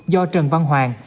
do trần văn hoàng